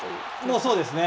そうですね。